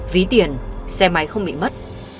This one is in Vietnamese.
ví tiền xe máy không bị mất